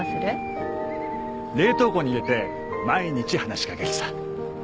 冷凍庫に入れて毎日話しかけるさ。